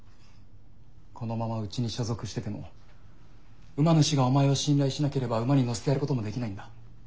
このままうちに所属してても馬主がお前を信頼しなければ馬に乗せてやることもできないんだ。